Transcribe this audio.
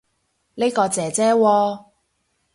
呢個姐姐喎